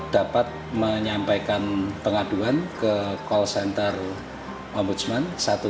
dapat menyampaikan pengaduan ke call center ombudsman satu ratus tiga puluh tujuh